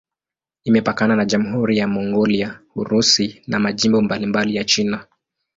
Imepakana na Jamhuri ya Mongolia, Urusi na majimbo mbalimbali ya China.